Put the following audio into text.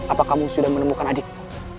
apa kamu sudah menemukan adikmu